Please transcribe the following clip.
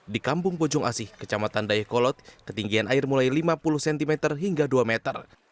di kampung bojong asih kecamatan dayakolot ketinggian air mulai lima puluh cm hingga dua meter